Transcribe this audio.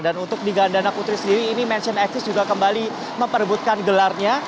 dan untuk di gandana putra sendiri ini mansion exis juga kembali memperebutkan gelarnya